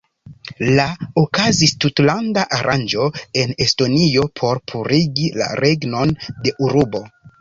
La okazis tutlanda aranĝo en Estonio por purigi la regnon de rubo.